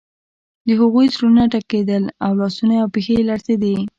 د هغوی زړونه ټکیدل او لاسونه او پښې یې لړزیدې